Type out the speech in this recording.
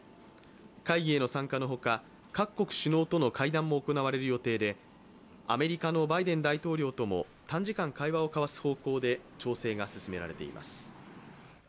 会議への参加のほか各国首脳との会談も行われる予定でアメリカのバイデン大統領とも短時間、会話を交わす方向で調整が進められています。